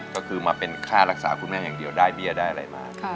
ก็คือมาเป็นค่ารักษาคุณแม่อย่างเดียวได้เบี้ยได้อะไรมา